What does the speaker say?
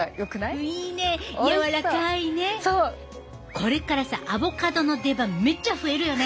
これからさアボカドの出番めっちゃ増えるよね。